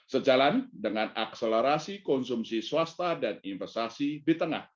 sejalan dengan akselerasi konsumsi swasta dan investasi di tengah